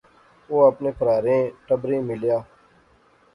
او اپنے پرھاریں ٹبریں ملیا